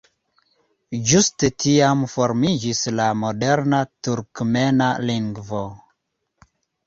Ĝuste tiam formiĝis la moderna turkmena lingvo.